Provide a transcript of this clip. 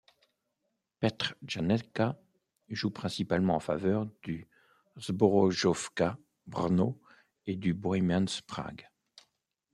Petr Janečka joue principalement en faveur du Zbrojovka Brno et du Bohemians Prague.